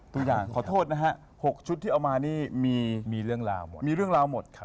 ตัวอย่างขอโทษนะฮะ๖ชุดที่เอามานี่มีเรื่องราวหมด